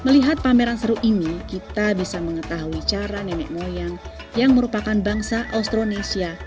melihat pameran seru ini kita bisa mengetahui cara nenek moyang yang merupakan bangsa austronesia